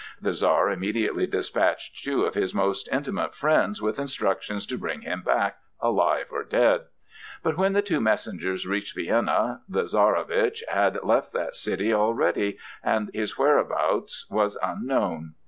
The Czar immediately despatched two of his most intimate friends with instructions to bring him back, alive or dead. But when the two messengers reached Vienna, the Czarowitz had left that city already, and his whereabouts was unknown.